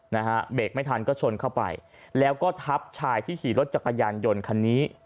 นะฮะเบรกไม่ทันก็ชนเข้าไปแล้วก็ทับชายที่ขี่รถจักรยานยนต์คันนี้